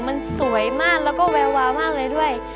มันสวยมากและแววเลยด้วย